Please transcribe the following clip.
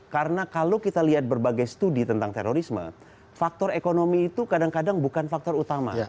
karena kalau kita lihat berbagai studi tentang terorisme faktor ekonomi itu kadang kadang bukan faktor utama